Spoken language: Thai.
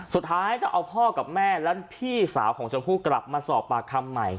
สุดท้ายต้องเอาพ่อกับแม่และพี่สาวของชมพู่กลับมาสอบปากคำใหม่